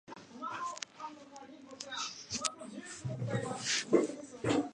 It was potted with epoxy to prevent easy reverse-engineering.